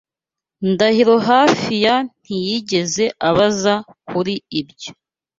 Ndahiro hafi ya ntiyigeze abaza kuri ibyo